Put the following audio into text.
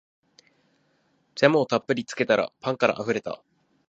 ジャムをたっぷりつけたらパンからあふれた